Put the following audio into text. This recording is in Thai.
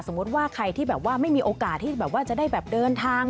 ว่าใครที่แบบว่าไม่มีโอกาสที่แบบว่าจะได้แบบเดินทาง